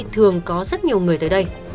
thường có rất nhiều người tới đây